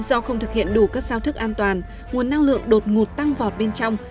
do không thực hiện đủ các giao thức an toàn nguồn năng lượng đột ngột tăng vọt bên trong